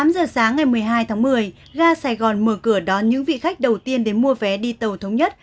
tám giờ sáng ngày một mươi hai tháng một mươi ga sài gòn mở cửa đón những vị khách đầu tiên đến mua vé đi tàu thống nhất